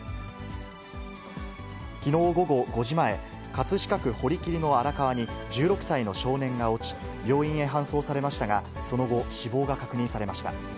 きのう午後５時前、葛飾区堀切の荒川に１６歳の少年が落ち、病院へ搬送されましたが、その後、死亡が確認されました。